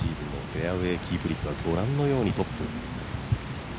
フェアウエーキープ率はご覧のようにトップ。